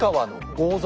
豪族。